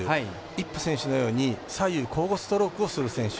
イップ選手のように左右交互ストロークをする選手。